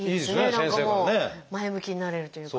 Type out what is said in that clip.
何かもう前向きになれるというか。